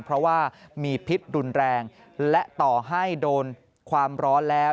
เพราะว่ามีพิษรุนแรงและต่อให้โดนความร้อนแล้ว